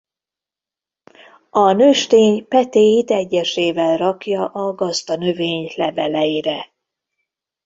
A nőstény petéit egyesével rakja a gazdanövény leveleire.